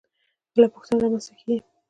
بله پوښتنه رامنځته کېږي.